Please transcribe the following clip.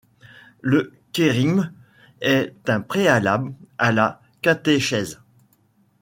Le kérygme est un préalable à la catéchèse.